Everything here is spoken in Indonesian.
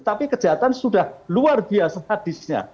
tapi kejahatan sudah luar biasa hadisnya